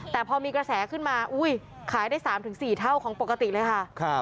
แต่พอมีกระแสขึ้นมาขายได้๓๔เท่าของปกติเลยค่ะ